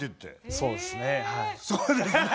「そうですね」。